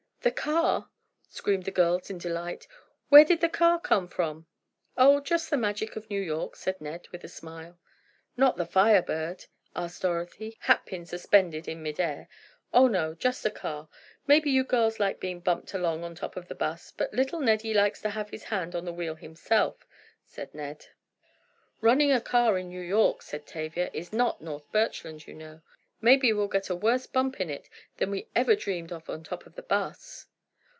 "The car!" screamed the girls in delight, "where did the car come from?" "Oh, just the magic of New York," said Ned, with a smile. "Not the Fire Bird?" asked Dorothy, hat pin suspended in mid air. "Oh, no, just a car. Maybe you girls like being bumped along on top of the 'bus, but little Neddie likes to have his hand on the wheel himself," said Ned. "Running a car in New York," said Tavia, "is not North Birchland, you know. Maybe we'll get a worse bump in it than we ever dreamed of on top of the 'bus."